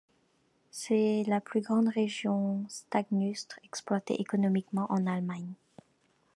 C'est la plus grande région stagnustre exploitée économiquement en Allemagne.